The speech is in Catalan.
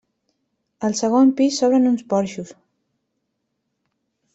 Al segons pis s'obren uns porxos.